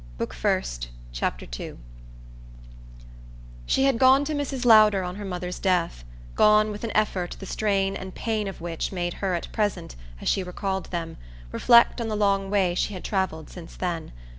Book First, Chapter 2 She had gone to Mrs. Lowder on her mother's death gone with an effort the strain and pain of which made her at present, as she recalled them, reflect on the long way she had travelled since then.